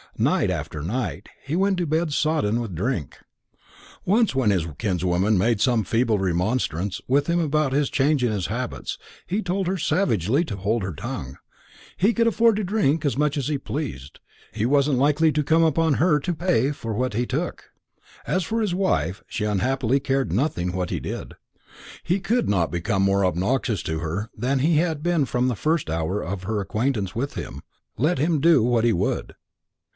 Night after night, he went to bed soddened with drink. Once, when his kinswoman made some feeble remonstrance with him about this change in his habits, he told her savagely to hold her tongue he could afford to drink as much as he pleased he wasn't likely to come upon her to pay for what he took. As for his wife, she unhappily cared nothing what he did. He could not become more obnoxious to her than he had been from the first hour of her acquaintance with him, let him do what he would.